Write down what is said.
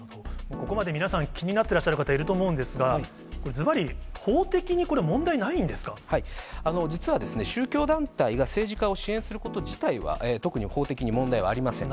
ここまで皆さん、気になってらっしゃる方、いると思うんですが、これずばり法的に実は宗教団体が政治家を支援すること自体は、特に法的に問題はありません。